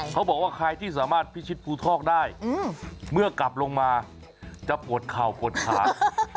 เขาบอกว่าใครที่สามารถพิชิตภูทอกได้เมื่อกลับลงมาจะปวดเข่าปวดขา